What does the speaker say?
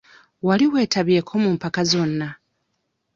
Wali weetabyeko mu mpaka zonna?